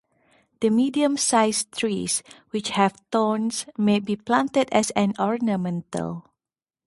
The medium sized trees which have thorns, may be planted as an ornamental.